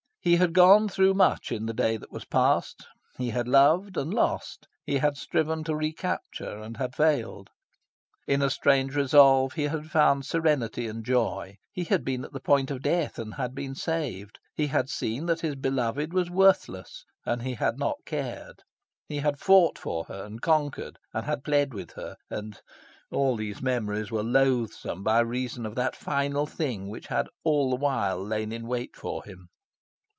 He had gone through much in the day that was past. He had loved and lost. He had striven to recapture, and had failed. In a strange resolve he had found serenity and joy. He had been at the point of death, and had been saved. He had seen that his beloved was worthless, and he had not cared. He had fought for her, and conquered; and had pled with her, and all these memories were loathsome by reason of that final thing which had all the while lain in wait for him.